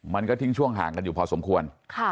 มันก็ทิ้งช่วงห่างกันอยู่พอสมควร